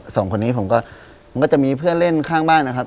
สองคนนี้ผมก็มันก็จะมีเพื่อนเล่นข้างบ้านนะครับ